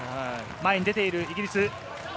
前に出ているイギリス。